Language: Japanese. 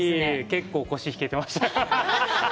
結構腰引けてました。